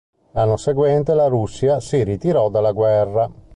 L'anno seguente, la Russia si ritirò dalla guerra.